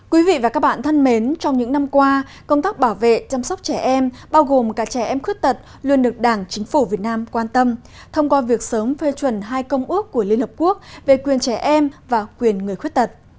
quý vị và các bạn thân mến trong những năm qua công tác bảo vệ chăm sóc trẻ em bao gồm cả trẻ em khuyết tật luôn được đảng chính phủ việt nam quan tâm thông qua việc sớm phê chuẩn hai công ước của liên hợp quốc về quyền trẻ em và quyền người khuyết tật